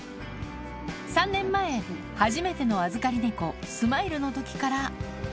３年前、初めての預かり猫、スマイルのときから。